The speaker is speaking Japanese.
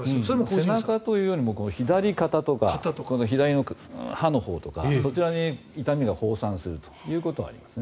背中というよりも左肩とか左の歯のほうとかそちらに痛みが放散するということがありますね。